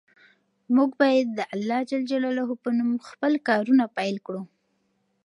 موږ باید د الله په نوم خپل کارونه پیل کړو.